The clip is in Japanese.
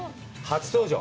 初登場？